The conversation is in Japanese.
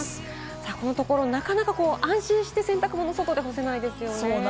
このところなかなか安心して洗濯物を外に干せないですよね。